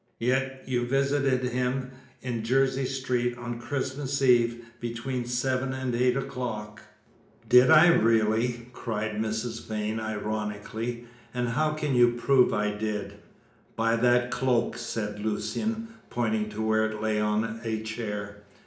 "Yet you visited him in Jersey Street on Christmas Eve, between seven and eight o'clock." "Did I, really?" cried Mrs. Vrain, ironically, "and how can you prove I did?" "By that cloak," said Lucian, pointing to where it lay on a chair.